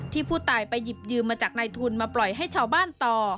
ผู้ตายไปหยิบยืมมาจากนายทุนมาปล่อยให้ชาวบ้านต่อ